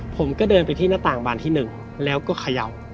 ผมก็เดินไปที่หน้าต่างบานที่๑แล้วก็เขย่า